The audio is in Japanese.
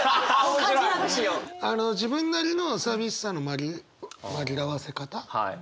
自分なりの寂しさの紛らわせ方あったりする？